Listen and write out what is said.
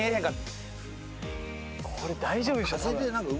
これ大丈夫でしょ多分。